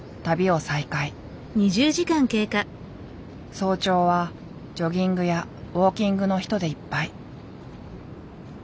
早朝はジョギングやウォーキングの人でいっぱい。